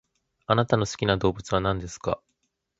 あなたの好きな動物は何ですか？